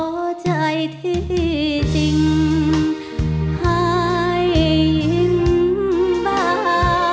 ขอใจที่จริงให้ยิ่งบ้าง